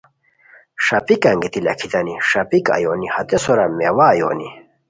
ݰاپیک انگیتی لاکھیتانی، ݰاپیک اویونی ہتے سورو میوہ اویونی